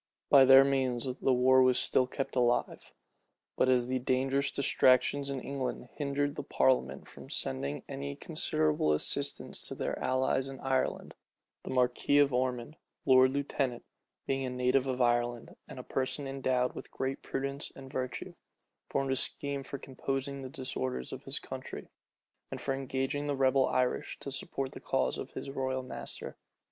By their means the war was still kept alive; but as the dangerous distractions in England hindered the parliament from sending any considerable assistance to their allies in Ireland, the marquis of Ormond, lord lieutenant, being a native of Ireland, and a person endowed with great prudence and virtue, formed a scheme for composing the disorders of his country, and for engaging the rebel Irish to support the cause of his royal master.